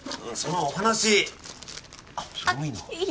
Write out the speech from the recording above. そのお話！